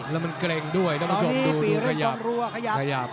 แล้วมันเกร็งด้วยต้องผู้ชมดูดูขยับ